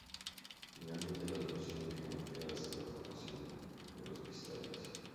Finalmente la solución se deja enfriar hasta la formación de los cristales.